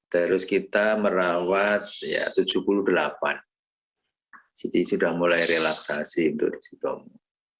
terus kita merawat tujuh puluh delapan jadi sudah mulai relaksasi untuk di sitomo